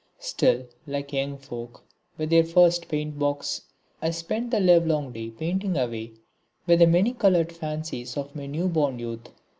Still, like young folk with their first paint box, I spent the livelong day painting away with the many coloured fancies of my new born youth.